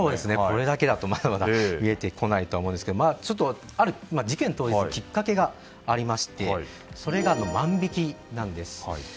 これだけだと、まだまだ見えてこないとは思うんですがちょっと事件当日きっかけがありましてそれが万引きなんです。